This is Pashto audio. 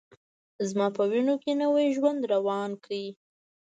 زما په وینوکې نوی ژوند روان کړ